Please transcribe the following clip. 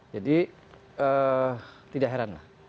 jadi tidak heran